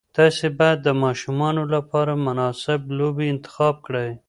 تاسي باید د ماشومانو لپاره مناسب لوبې انتخاب کړئ.